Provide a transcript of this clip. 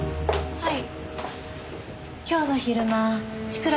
はい。